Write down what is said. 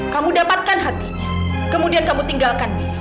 kamu dapatkan hatinya kemudian kamu tinggalkan